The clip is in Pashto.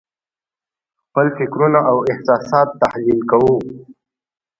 خپل فکرونه او احساسات تحلیل کوو.